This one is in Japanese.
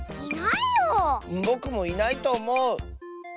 ぼくもいないとおもう。